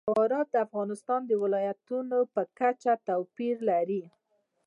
جواهرات د افغانستان د ولایاتو په کچه توپیر لري.